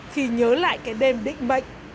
khi nhớ lại cái đêm định mệnh